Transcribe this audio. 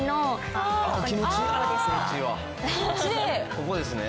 ここですね？